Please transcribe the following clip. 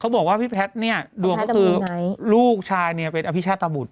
บอกว่าพี่แพทย์เนี่ยดวงก็คือลูกชายเนี่ยเป็นอภิชาตบุตร